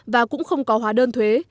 và cũng không có hóa đơn thuế